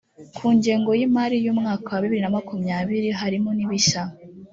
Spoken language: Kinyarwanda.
ku ngengo y’ imar i y’umwaka wa bibiri na makumyabiri harimo nibishya.